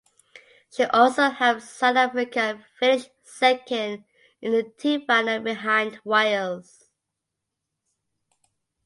She also helped South Africa finish second in the team final behind Wales.